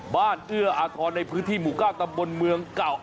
บ้านเอื้ออาทรณ์ในพื้นที่หมู่ก้าวตำบลเมืองเก่า